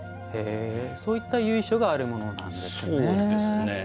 そういった由緒があるものなんですね。